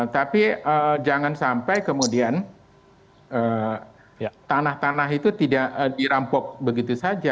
tapi jangan sampai kemudian tanah tanah itu tidak dirampok begitu saja